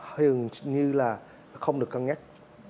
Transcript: hình như là không được cân nhắc